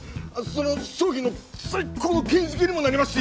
その商品の最高の権威づけにもなりますし！